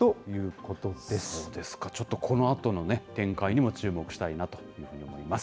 そうですか、ちょっとこのあとの展開にも注目したいなというふうに思います。